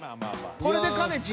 これでかねちー